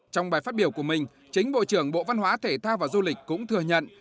trong bài phát biểu của mình chính bộ trưởng bộ văn hóa thể thao và du lịch cũng thừa nhận